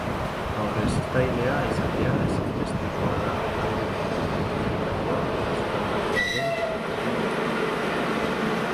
Aurreztailea izatea ezinbestekoa da aldi berean madarikatua eta zoragarria den lanbide honetan.